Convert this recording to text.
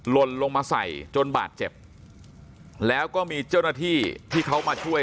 ลนลงมาใส่จนบาดเจ็บแล้วก็มีเจ้าหน้าที่ที่เขามาช่วย